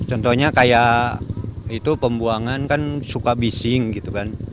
contohnya kayak itu pembuangan kan suka bising gitu kan